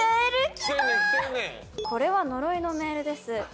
「これは呪いのメールです」